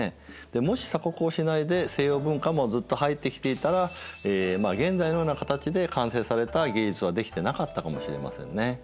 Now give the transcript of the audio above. もし鎖国をしないで西洋文化もずっと入ってきていたら現在のような形で完成された芸術は出来てなかったかもしれませんね。